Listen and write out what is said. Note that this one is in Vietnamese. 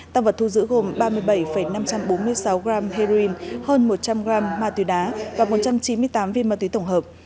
tăng vật thu giữ gồm ba mươi bảy năm trăm bốn mươi sáu gram heroin hơn một trăm linh gram ma túy đá và một trăm chín mươi tám viên ma túy tổng hợp